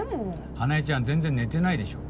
花恵ちゃん全然寝てないでしょ。